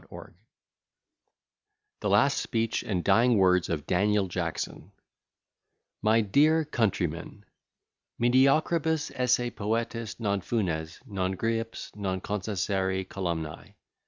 B._] THE LAST SPEECH AND DYING WORDS OF DANIEL JACKSON MY DEAR COUNTRYMEN, mediocribus esse poetis Non funes, non gryps, non concessere columnae.